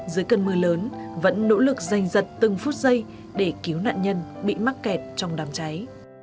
dưới cơn mưa lớn vẫn nỗ lực dành giật từng phút giây để cứu nạn nhân bị mắc kẹt trong đám cháy